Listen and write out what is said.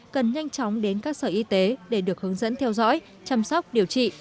cần nhanh chóng đến các sở y tế để được hướng dẫn theo dõi chăm sóc điều trị